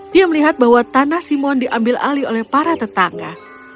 dia melihat bahwa tanah simon diambil alih oleh para tetangga